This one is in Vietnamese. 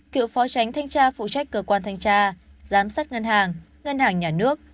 cựu phó tránh thanh tra phụ trách cơ quan thanh tra giám sát ngân hàng ngân hàng nhà nước